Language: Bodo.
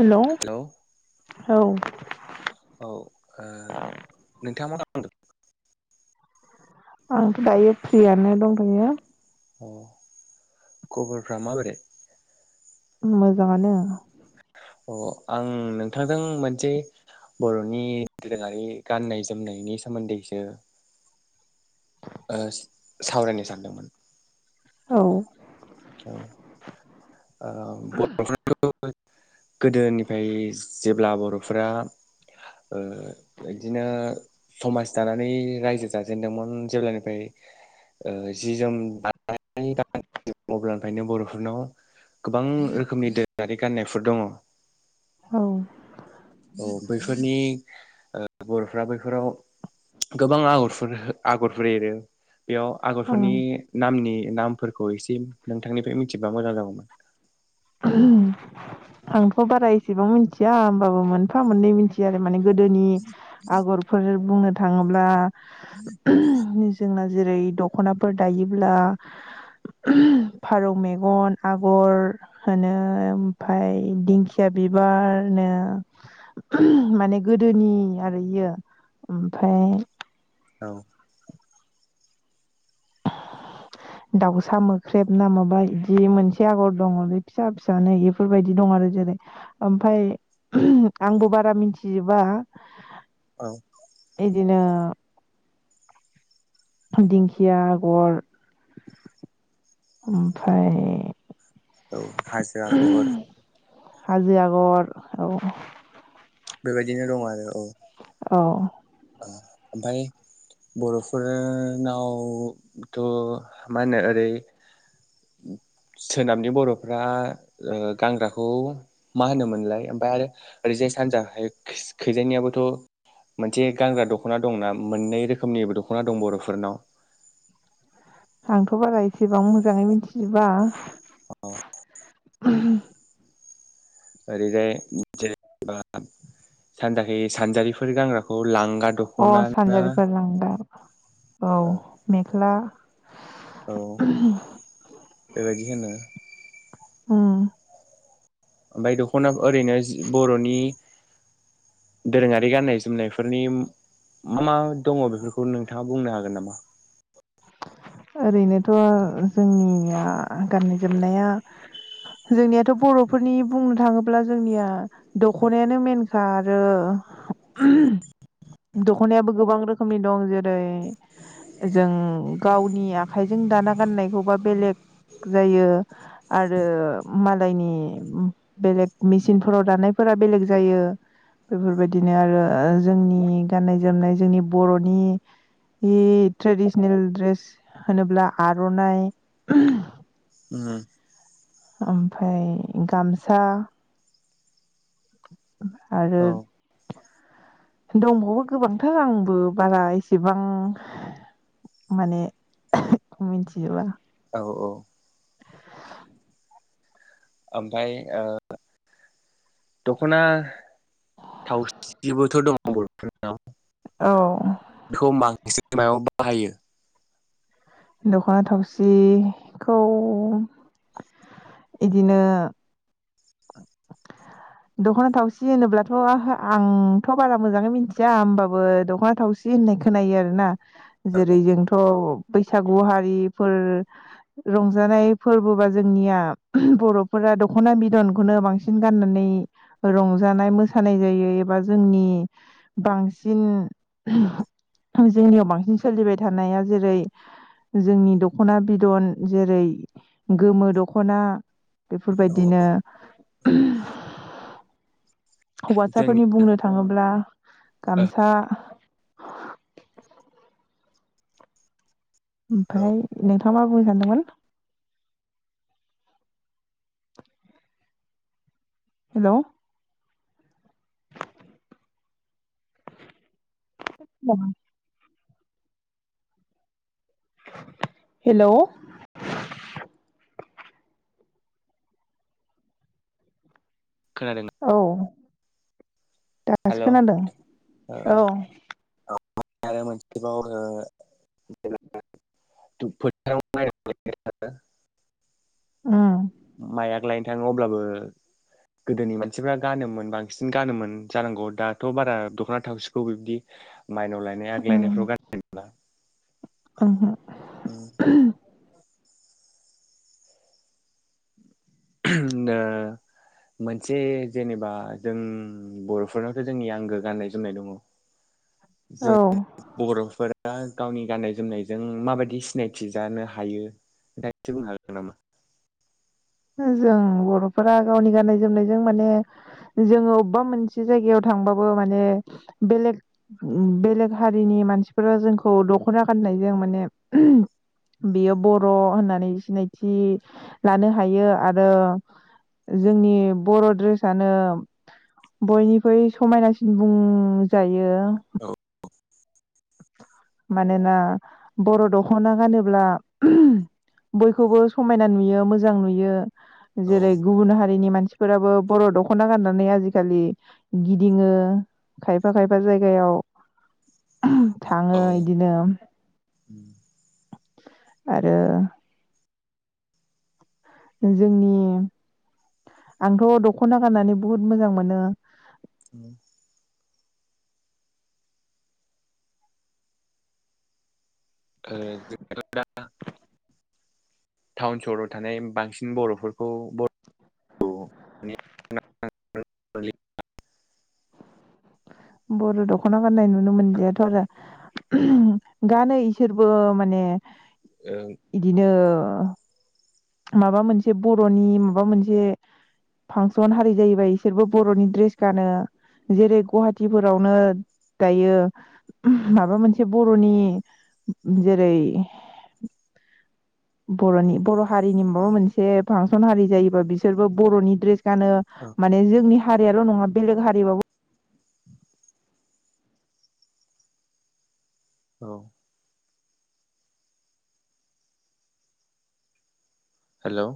हेलौ औ हेलौ'औ ओ नोंथांआ मा उथ [inaudible] आंथ' दायो फ्रियानो दंथ'यो अ खबरफोरा माबोरै? मोजाङानो। अ आं नोंथांजों मोनसे बर'नि दोरोङारि गाननाय जोमनायनि सोमोन्दैसो सावरायनो सानदोंमोन औ औ ओ बर' गोदोनिफ्राय जेब्ला बर'फोरा ओ बिदिनो समाज दानानै रायजो जाजेनदोंमोन जेब्लानिफ्राय जि जोम दानाय दानाय गाननाय अब्लानिखायनो बर'फोरनाव गोबां रोखोमनि दोरोङारि गाननायफोर दङ। औ। बैफोरनि बर'फ्रा बैफोराव गोबां आगरफोर आगरफोर एरो बेयाव आगरफोरनि ओं नामनि नामफोरखौ एसे नोंथांनिफ्राय मिथिबा मोजां जागौमोन। आंथ' बारा एसेबां मिथिया होमबाबो मोनफा मोननै मिथिया आरो माने गोदोनि आगरफोर बुंनो थाङोब्ला जोंना जेरै दख'नाफोर दायोब्ला फारौ मेगन आगर होनो ओमफाय दिंखिया बिबारनो माने गोदोनि आरो इयो ओमफाय औ दाउसा मोख्रेब ना माबा बिदि मोनसे आगर दङ बे फिसा फिसानो बेफोरबायदि दं आरो जेरै ओमफाय आंबो बारा मिथिजोबा। औ। बिदिनो दिंखिया आगर ओमफ्राय औ हाजो आगर हाजो आगर औ। बेबायदिनो दं आरो औ। अह ओमफाय बर'फोरनावथ' मा होनो ओरै सोनाबनि बर'फ्रा गानग्राखौ मा होनोमोनलाय ओमफफ्राय आरो ओरैजाय सानजा खैजायनियाबोथ' मोनसे मोनसे गानग्रा दख'ना दंना मोननै रोखोमनिबो दख'ना दं बर'फोरनाव आंथ' बारा एसेबां मोजाङै मिथिजोबा औ। उम ओरैजाय जेबा सानजाखि सानजारिफोर गानग्राखौ लांगा अ दख'ना ना सानजारिफोर [unintelligible] औ मेख्ला औ [inaudible] बेबायदि होनो। उम। ओमफाय द'खना ओरैनो जि बर'नि दोरोङारि गाननाय जोमनायफोरनि मा मा दङ' बेफोरखौ नोंथाङा बुंनो हागोन नामा? ओरैनोथ' जोंनिया गाननाय जोमनाया जोंनियाथ' बर'फोरनि बुंनो थाङोब्ला जोंनिया द'खनायानो मेनखा आरो [unintelligible] द'खनायाबो गोबां रोखोमनि दं जेरै जों गावनि आखाइजों दाना गाननायखौबा बेलेग जायो आरो मालायनि बेलेग मेचिनफोराव दानायफोरा बेलेग जायो। बेफोरबायदिनो आरो जोंनि गाननाय जोमनाय जोंनि बर'नि नि ट्रेडिसनेल ड्रेस होनोब्ला आर'नाय उम। ओमफाय गामसा आरो औ दंबावो गोबांथार आंबो बारा एसेबां माने मिथिजोबा। औ औ ओमफाय ओ द'खना थावसिबोथ' दङ' बर'फोरनाव। औ। [unintelligible] बाहायो द'खना थावसिखौ इदिनो द'खना थावसि होनोब्लाथ' आहा आंथ' बारा मोजाङै मिथिया होमबाबो द'खना थावसि होननाय खोनायो आरो ना। जेरै जोंथ' बैसागु हारिफोर रंजानाय फोरबोबा जोंनिया बर'फोरा द'खना बिदन खौनो बांसिन गाननानै रंजानाय मोसानाय जायो एबा जोंनि बांसिन जोंनियाव बांसिन सोलिबाय थानाया जेरै जोंनि द'खना बिदन जेरै गोमो द'खना औ बेफोरबायदिनो। [inaudible] जोंनि हौवासाफोरनि बुंनो थाङोब्ला गामसा औ ओमफाय [unintelligible] माबा बुंनो सानदोंमोन? हेलौ। [inaudible] हेलौ खोनादों औ। दासो हेल' खोनादों औ। आरो मोनसेबाव ओ [unintelligible] उम माया? लायनो थाङो अब्लाबो गोदोनि मानसिफ्रा गानोमोन बांसिन गानोमोन जानांगौ दाथ' बारा द'खना थावसिखौ बिबदि माइनाव लायनाय आग लायनायफ्राव गानोब्ला औ हो उम्म दा मोनसे जेनेबा जों बरफोरनावथ जोंनि आंगो गाननाय जोमनाय दङ जों ओहो बर'फोरा दा गावनि गाननाय जोमनायजों माबायदि सिनायथि जानो हायो दा एसे बुंनो हागोन नामा जों बर'फोरा गावनि गाननाय जोमनायजों माने जोङो अबबा मोनसे जायगायाव थांबाबो माने बेलेग बेलेग हारिनि मानसिफोरा जोंखौ दख'ना गाननायजों माने बेयो बर' होननानै सिनायथि लानो हायो आरो जोंनि बर' द्रेसानो बयनिख्रुइ समायनासिन बुंजायो औ मानोना बर' दख'ना गानोब्ला बयखौबो समायना नुयो मोजां नुयो जेरै गुबुन हारिनि मानसि सिफोराबो बर' दख'ना गाननानै आजिखालि गिदिङो खायफा खायफा जायगायाव ओ इदिनो [inaudible] आरो जोंनि आंथ' दख'ना गाननानै बुहुत मोजां मोनो औ ओ जोंथ दा टाउन सहराव थानाय बांसिन बर'फोरखौ बर [unintelligible] बर' दख'ना गाननाय नुनो मोनलियाथ' आरो गानो इसोरबो माने इदिनो अह माबा मोनसे बर'नि माबा मोनसे फांसन हारि जायोबा इसोरबो बर'नि ड्रेस गानो जेरै गुवाहाटिफोरावनो दायो माबा मोनसे बर'नि जेरै बर'नि बर' हारिनि माबा मोनसे फांसन हारि जायोबा बिसोरबो बर'नि ड्रेस गानो माने जोंनि हारियाल' नङा बेलेग हारिबाबो औ औ हेलौ